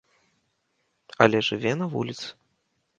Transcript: Але жыве на вуліцы.